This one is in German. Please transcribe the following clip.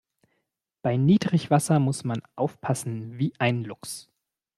Bei Niedrigwasser muss man aufpassen wie ein Luchs.